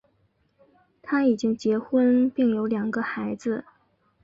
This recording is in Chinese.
他已经结婚并有两个孩子。